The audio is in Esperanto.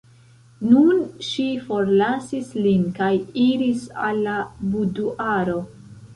Nun ŝi forlasis lin kaj iris al la buduaro.